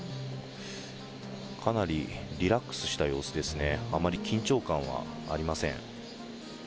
かなりリラックスした様子ですね、あまり緊張感はありません。